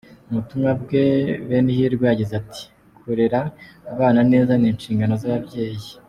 Mu butumwa bwe, Benihirwe yagize ati,"Kurera abana neza ni inshingano z’ababyeyi.